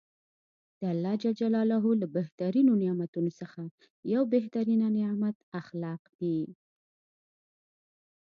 د الله ج له بهترینو نعمتونوڅخه یو بهترینه نعمت اخلاق دي .